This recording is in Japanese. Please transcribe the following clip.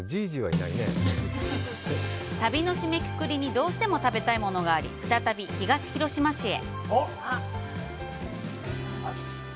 旅の締めくくりにどうしても食べたいものがあり、再び東広島市へ。